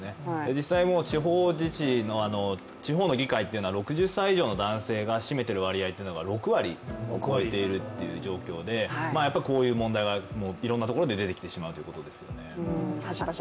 実際地方自治の地方の議会というのは６０歳以上の男性が占めている割合が６割を超えている状況でこういう問題はいろんなところで出てきてしまうということですよね。